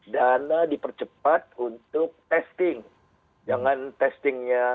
dana dipercepat untuk testing jangan testingnya